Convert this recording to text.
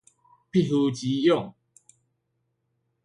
匹夫之勇